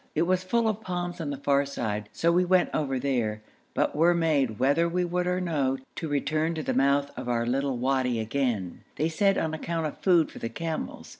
It was full of palms on the far side, so we went over there, but were made, whether we would or no, to return to the mouth of our little wadi again; they said on account of food for the camels.